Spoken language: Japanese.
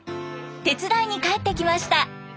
手伝いに帰ってきました。